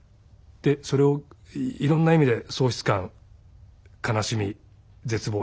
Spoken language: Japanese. でそれをいろんな意味で喪失感悲しみ絶望